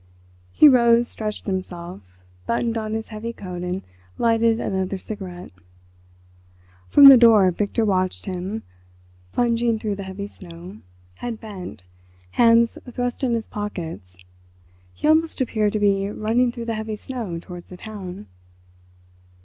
He rose, stretched himself, buttoned on his heavy coat and lighted another cigarette. From the door Victor watched him plunging through the heavy snow—head bent—hands thrust in his pockets—he almost appeared to be running through the heavy snow towards the town.